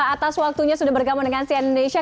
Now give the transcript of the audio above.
atas waktunya sudah bergabung dengan cn indonesia